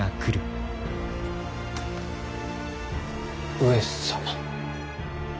上様？